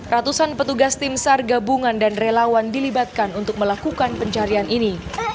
ratusan petugas tim sar gabungan dan relawan dilibatkan untuk melakukan pencarian ini